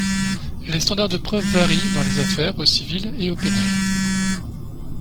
Les standards de preuve varient dans les affaires au civil et au pénal.